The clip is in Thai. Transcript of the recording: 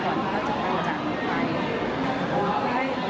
ก่อนที่เขาจะไปจัดลูกไป